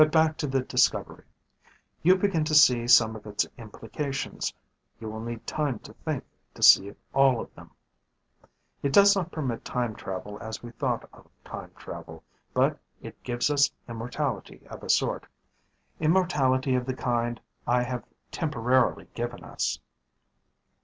"But back to the discovery. You begin to see some of its implications. You will need time to think to see all of them. "It does not permit time travel as we have thought of time travel, but it gives us immortality of a sort. Immortality of the kind I have temporarily given us.